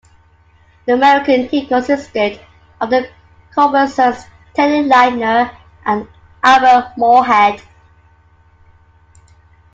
The American team consisted of the Culbertsons, Teddy Lightner and Albert Morehead.